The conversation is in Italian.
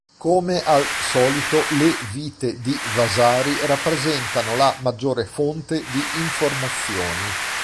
Come al solito le Vite di Vasari rappresentano la maggiore fonte di informazioni.